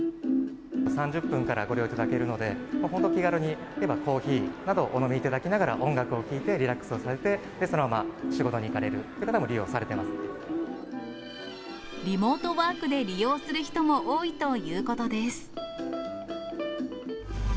３０分からご利用いただけるので、本当気軽に例えばコーヒーなどお飲みいただきながら音楽を聴いて、リラックスをされて、そのまま仕事に行かれるという方も利用されリモートワークで利用する人も多いということです。